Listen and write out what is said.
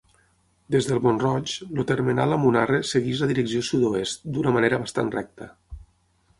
Des del Mont-roig, el termenal amb Unarre segueix la direcció sud-oest, d'una manera bastant recta.